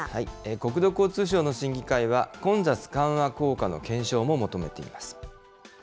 国土交通省の審議会は、混雑緩和効果の検証も求めています。